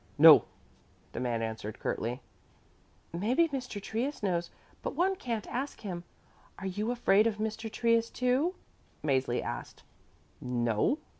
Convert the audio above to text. "No," the man answered curtly. "Maybe Mr. Trius knows, but one can't ask him. Are you afraid of Mr. Trius, too?" Mäzli asked. "No."